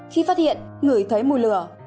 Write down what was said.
khi phát hiện người thấy mùi lửa